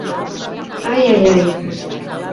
— Ай-ай-ай!